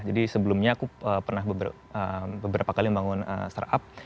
jadi sebelumnya aku pernah beberapa kali membangun startup